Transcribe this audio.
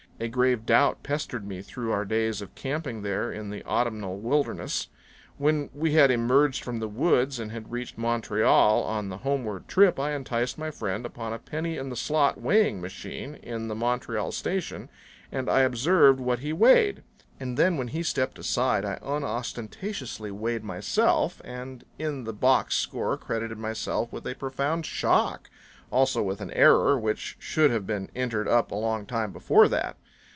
A grave doubt pestered me through our days of camping there in the autumnal wilderness. When we had emerged from the woods and had reached Montreal on the homeward trip I enticed my friend upon a penny in the slot weighing machine in the Montreal station and I observed what he weighed; and then when he stepped aside I unostentatiously weighed myself, and in the box score credited myself with a profound shock; also with an error, which should have been entered up a long time before that.